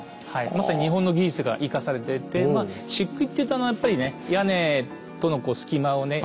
まさに日本の技術が生かされててしっくいっていうとやっぱりね屋根との隙間をね